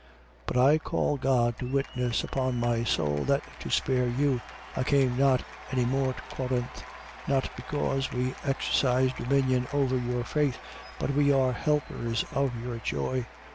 1:23. But I call God to witness upon my soul that to spare you, I came not any more to Corinth: not because we exercise dominion over your faith: but we are helpers of your joy.